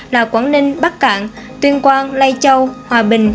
là quảng ninh bắc cạn tuyên quang lai châu hòa bình